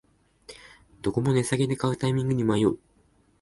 どこも値下げで買うタイミングに迷う